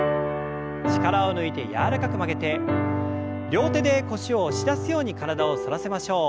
力を抜いて柔らかく曲げて両手で腰を押し出すように体を反らせましょう。